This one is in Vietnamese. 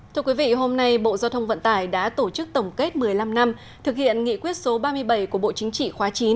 thưa quý vị hôm nay bộ giao thông vận tải đã tổ chức tổng kết một mươi năm năm thực hiện nghị quyết số ba mươi bảy của bộ chính trị khóa chín